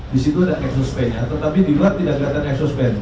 di situ ada eksospennya tetapi di luar tidak kelihatan eksospen